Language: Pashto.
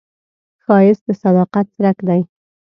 ښایست د صداقت څرک دی